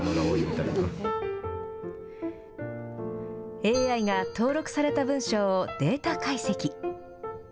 ＡＩが登録された文章をデータ解析。